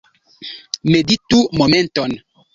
Meditu momenton.